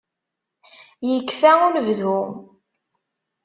Yekfa unebdu.